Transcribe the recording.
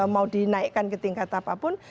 mau dinaikkan ke tingkat apapun